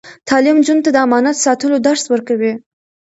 تعلیم نجونو ته د امانت ساتلو درس ورکوي.